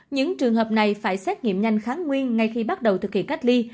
những trường hợp này phải xét nghiệm nhanh kháng nguyên ngay khi bắt đầu thực hiện cách ly